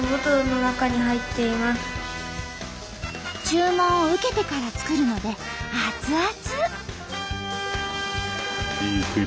注文を受けてから作るので熱々！